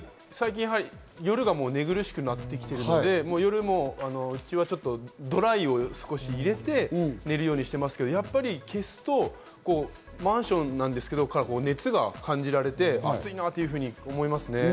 夜が寝苦しくなってきているので、夜もうちはドライを少し入れて、寝るようにしてますけれども、やっぱり消すとマンションなんですけれども、熱が感じられて暑いなと思いますね。